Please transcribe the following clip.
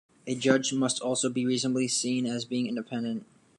A judge must also be reasonably seen as being independent.